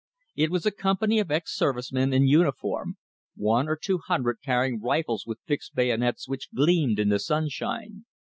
It was a company of ex service men in uniform; one or two hundred, carrying rifles with fixed bayonets which gleamed in the sunshine.